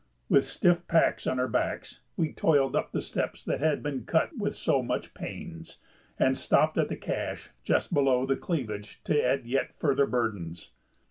With stiff packs on our backs we toiled up the steps that had been cut with so much pains and stopped at the cache just below the cleavage to add yet further burdens.